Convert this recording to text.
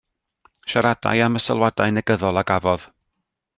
Siaradai am y sylwadau negyddol a gafodd.